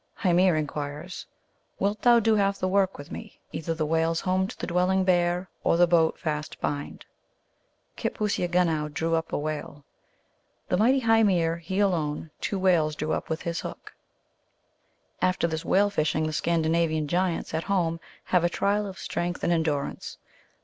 Hyinir inquires, " Wilt thou do half the work with me ? either the whales home to the dwelling bear, Or the boat fast bind ?" Kitpooseagunow drew up a whale. " The mighty Hymir, He alone two whales drew up with his hook." After this whale fishing, the Scandinavian giants at home have a trial of strength and endurance.